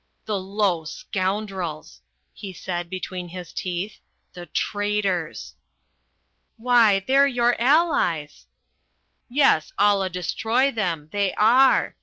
"The low scoundrels!" he said between his teeth. "The traitors!" "Why, they're your Allies!" "Yes, Allah destroy them! They are.